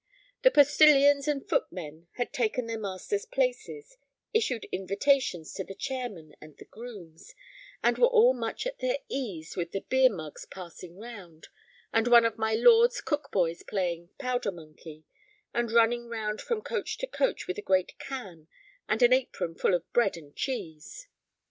The postilions and footmen had taken their master's places, issued invitations to the chairmen and the grooms, and were all much at their ease with the beer mugs passing round, and one of my lord's cook boys playing "powder monkey," and running round from coach to coach with a great can and an apron full of bread and cheese.